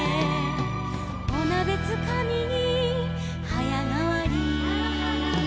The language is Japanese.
「おなべつかみにはやがわり」「」